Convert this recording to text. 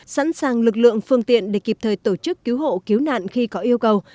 sẵn sàng lực lượng phương tiện để kịp thời tổ chức cứu hộ cứu nạn khi có yêu cầu